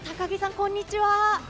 こんにちは。